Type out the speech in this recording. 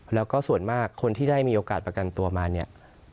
แล้วก็ส่วนมากคนที่ได้มีโอกาสประกันตัวมาเนี่ย